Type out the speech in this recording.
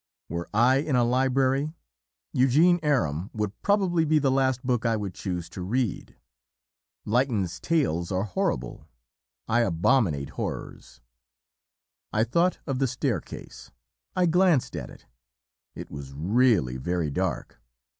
"Were I in a library, 'Eugene Aram' would probably be the last book I would choose to read; Lytton's tales are horrible; I abominate horrors. I thought of the staircase, I glanced at it; it was really very dark.